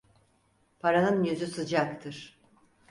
Paranın yüzü sıcaktır.